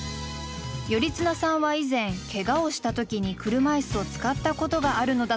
頼綱さんは以前けがをした時に車いすを使ったことがあるのだとか。